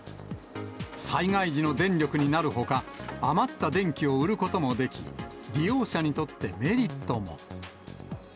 災害時の電力になるほか、余った電気を売ることもでき、利用者にとってメリットも。